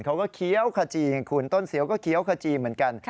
เคี้ยวขจีอย่างคุณต้นเสียวก็เคี้ยวขจีเหมือนกัน